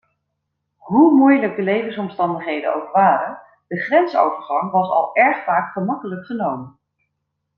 Hoe moeilijk de levensomstandigheden ook waren, de grensovergang was al erg vaak gemakkelijk genomen.